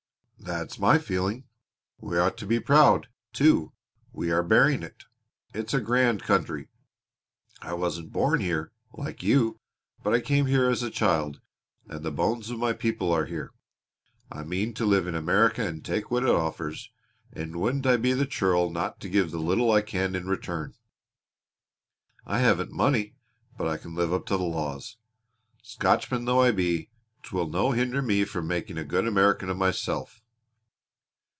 "That's my feeling. We ought to be proud, too, we are bearing it. It's a grand country! I wasn't born here, like you, but I came here as a child, and the bones of my people are here. I mean to live in America and take what it offers, and wouldn't I be the churl not to give the little I can in return! I haven't money, but I can live up to the laws. Scotchman though I be 'twill no hinder me from making a good American of myself."